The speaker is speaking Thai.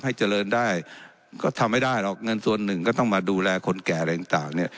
เจริญได้ก็ทำไม่ได้หรอกเงินส่วนหนึ่งก็ต้องมาดูแลคนแก่อะไรต่างเนี่ย